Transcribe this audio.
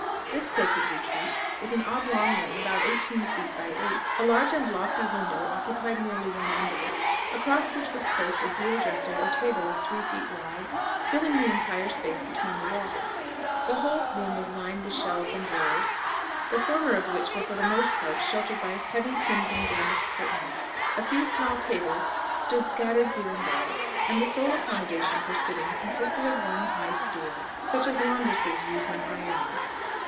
This sacred retreat was an oblong room, about eighteen feet by eight; a large and lofty window occupied nearly one end of it, across which was placed a deal dresser or table of three feet wide, filling the entire space between the walls. The whole room was lined with shelves and drawers, the former of which were for the most part sheltered by heavy crimson damask curtains. A few small tables stood scattered here and there; and the sole accommodation for sitting consisted of one high stool, such as laundresses use when ironing.